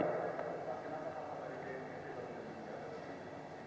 kemana kapal dari ppet sudah meninggal dunia semua